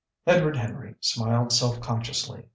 Edward Henry smiled self consciously.